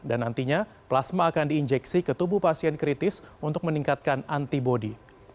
dan nantinya plasma akan diinjeksi ke tubuh pasien kritis untuk meningkatkan antibody